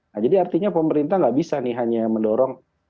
nah jadi artinya pemerintah nggak bisa nih hanya mendorong